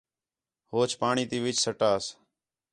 ہوچ پاݨی تی وِچ سٹاس